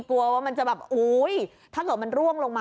กลัวว่ามันจะแบบอุ้ยถ้าเกิดมันร่วงลงมา